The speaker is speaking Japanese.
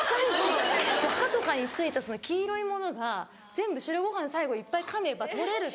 歯とかに付いたその黄色いものが全部白ご飯最後いっぱいかめば取れると。